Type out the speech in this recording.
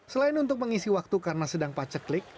selain untuk mengisi waktu karena sedang paceklik